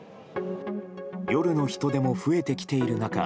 夜の人出も増えてきている中